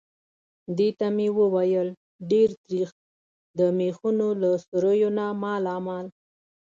دې ته مې وویل: ډېر تریخ. د مېخونو له سوریو نه مالامال.